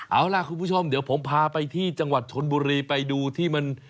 เอาล่ะคุณผู้ชมเดี๋ยวผมพาไปที่จังหวัดชนบุรีไปดูที่มัน